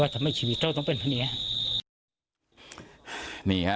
ทำไมชีวิตเธอต้องเป็นพะเนีย